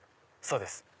そうです